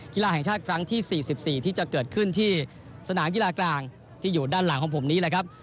กีฬาแห่งชาติครั้งที่๔๔ที่จะเกิดขึ้นที่สนามกีฬากลางที่อยู่ด้านหลังของผมนี้แหละครับ